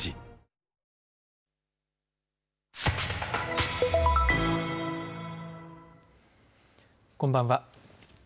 こんばんは。